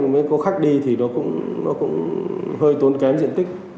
mới có khách đi thì nó cũng hơi tốn kém diện tích